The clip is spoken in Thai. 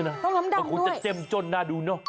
ยำน้ำดำด้วยมันคงจะเต็มจนน่าดูเนอะ